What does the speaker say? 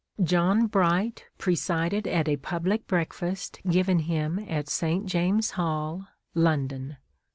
John Bright presided at a public breakfast given him at St. James' Hall, London.